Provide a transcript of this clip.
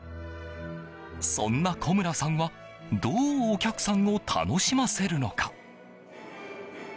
そんな古村さんはどうお客さんを楽しませるのか。